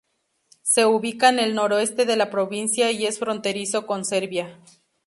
Se ubica en el noroeste de la provincia y es fronterizo con Serbia.